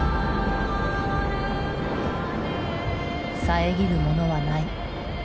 遮るものはない。